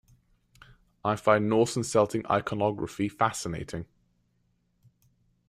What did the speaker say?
I find Norse and Celtic iconography fascinating.